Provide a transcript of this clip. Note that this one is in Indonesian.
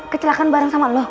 kecelakan bareng sama lo